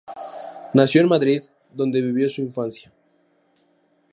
Nació en Madrid, donde vivió su infancia.